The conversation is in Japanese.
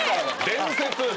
伝説！